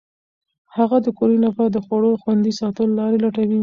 هغه د کورنۍ لپاره د خوړو د خوندي ساتلو لارې لټوي.